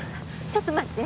ちょっと待って。